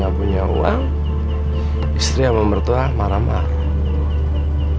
nggak punya uang istri sama mertua marah marah